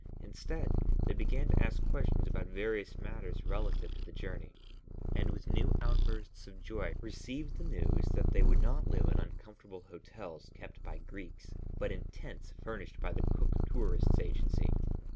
Instead they began to ask questions about various matters relative to the journey, and with new outbursts of joy received the news that they would not live in uncomfortable hotels kept by Greeks, but in tents furnished by the Cook Tourists' Agency.